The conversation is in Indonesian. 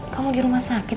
kamu di rumah sakit